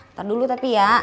ntar dulu tapi ya